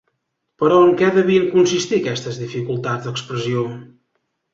Però en què devien consistir aquestes "dificultats d'expressió"?